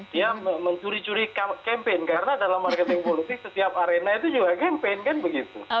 dia mencuri curi campaign karena dalam marketing politik setiap arena itu juga campaign kan begitu